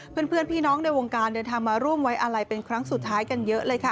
เพื่อนพี่น้องในวงการเดินทางมาร่วมไว้อาลัยเป็นครั้งสุดท้ายกันเยอะเลยค่ะ